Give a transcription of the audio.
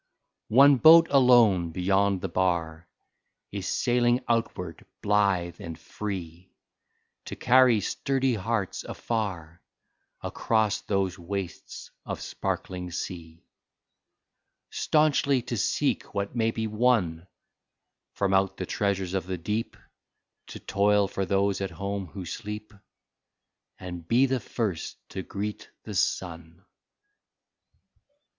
29 One boat alone beyond the bar Is sailing outward blithe and free, To carry sturdy hearts afar Across those wastes of sparkling sea; Staunchly to seek what may be won From out the treasures of the deep, To toil for those at home who sleep And be the first to greet the sun.